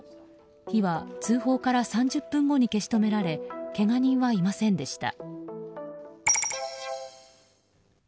火は通報から３０分後に消し止められけが人はいませんでした。